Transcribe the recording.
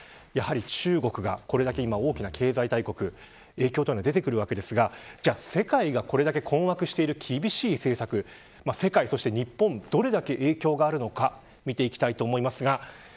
やはり中国がこれだけ大きな経済大国影響が出てくると思いますが世界がこれだけ困惑している厳しい政策世界、そして、日本にどれだけ影響があるのか見ていきたいと思います。